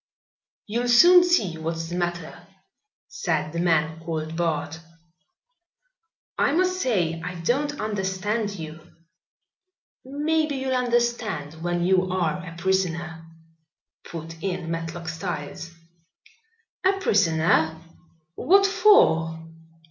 "You'll soon see what's the matter," said the man called Bart. "I must say I don't understand you." "Maybe you'll understand when you are a prisoner," put in Matlock Styles. "A prisoner? What for?"